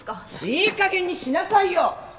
いいかげんにしなさいよ！